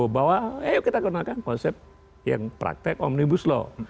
bahwa ayo kita gunakan konsep yang praktek omnibus law